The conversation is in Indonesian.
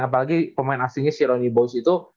apalagi pemain asingnya si rony bose itu